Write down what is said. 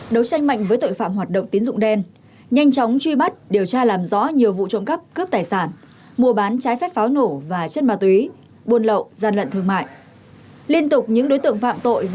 đấu tranh mạnh với tội phạm hoạt động tín dụng đen nhanh chóng truy bắt điều tra làm rõ nhiều vụ trộm cắp cướp tài sản mua bán trái phép pháo nổ và chất ma túy buôn lậu gian lận thương mại